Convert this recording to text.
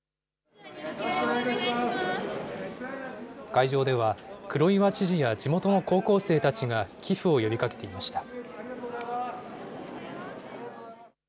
会場では、黒岩知事や地元の高校生たちが寄付を呼びかけていました。